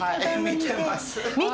見てます？